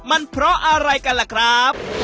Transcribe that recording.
มันเพราะอะไรกันล่ะครับ